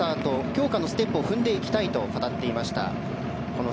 強化のステップを踏んでいきたいと語っていました。